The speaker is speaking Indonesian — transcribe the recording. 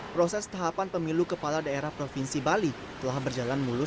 proses tahapan pemilu kepala daerah provinsi bali telah berjalan mulus